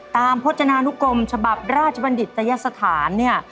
พจนานุกรมฉบับราชบัณฑิตยสถานเนี่ย